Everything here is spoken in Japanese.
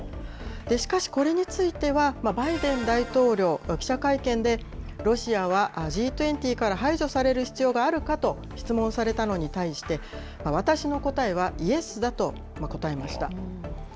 しかし、これについては、バイデン大統領、記者会見で、ロシアはＧ２０から排除される必要があるかと質問されたのに対して、私の答えはイエスだと答えました。